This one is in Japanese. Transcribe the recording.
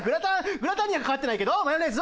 グラタンにはかかってないけどマヨネーズは合いそう！